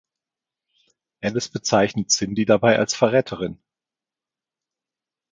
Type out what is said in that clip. Alice bezeichnet Cindy dabei als Verräterin.